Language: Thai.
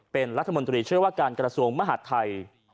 เป็นรัฐมนตรีเชื่อว่าการกระทรวงมหาดไทย